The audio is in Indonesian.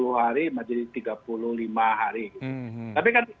sepuluh hari menjadi tiga puluh lima hari